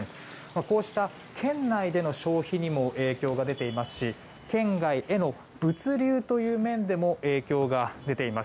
こうした県内での消費にも影響が出ていますし県外への物流という面でも影響が出ています。